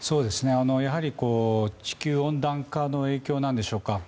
やはり、地球温暖化の影響なんでしょうか。